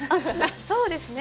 そうですね。